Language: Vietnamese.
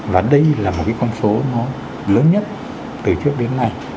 và đây là một cái con số nó lớn nhất từ trước đến nay